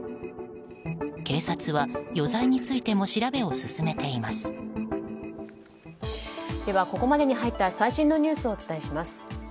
警察は余罪についてもここまでに入った最新のニュースをお伝えします。